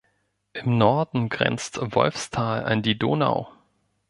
Im Norden grenzt Wolfsthal an die Donau.